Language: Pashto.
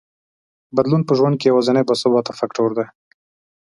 بدلون په ژوند کې یوازینی باثباته فکټور دی.